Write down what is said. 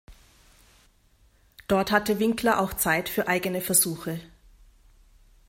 Dort hatte Winkler auch Zeit für eigene Versuche.